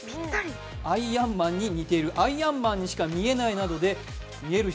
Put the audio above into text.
アイアンマンに似ている、アイアンマンにしか見えないということです。